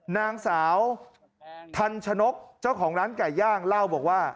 นางสาวทันชนกเจ้าของร้านไก่ย่างเล่าบอกว่า